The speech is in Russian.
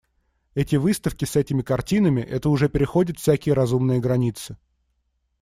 Эти выставки с этими картинами, это уже переходит всякие разумные границы.